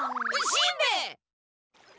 しんべヱ！